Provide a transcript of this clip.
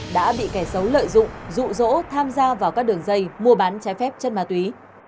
đã bị kẻ xấu lợi dụng dụ dỗ tham gia vào các đường dây mua bán trái phép trên ma túy